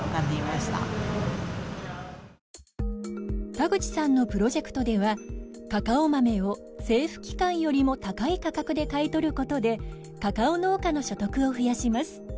田口さんのプロジェクトではカカオ豆を政府機関よりも高い価格で買い取ることでカカオ農家の所得を増やします。